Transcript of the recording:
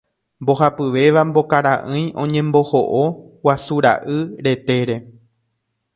Mbohapyvéva mbokara'ỹi oñemboho'o guasu ra'y retére.